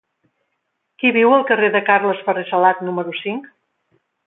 Qui viu al carrer de Carles Ferrer Salat número cinc?